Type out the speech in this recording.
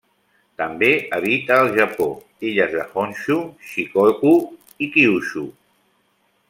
També habita al Japó: illes de Honshu, Shikoku i Kyushu.